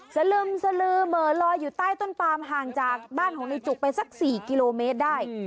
สลึมสลือเหม่อลอยอยู่ใต้ต้นปามห่างจากบ้านของในจุกไปสัก๔กิโลเมตรได้